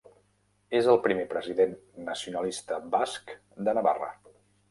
És el primer president nacionalista basc de Navarra.